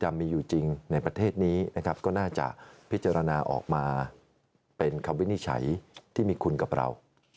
จะมีอยู่จริงในประเทศนี้นะครับก็น่าจะพิจารณาออกมาเป็นคำวินิจฉัยที่มีคุณกับเรา